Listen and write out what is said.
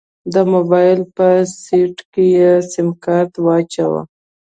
د موبايل په سيټ کې يې سيمکارت واچوه.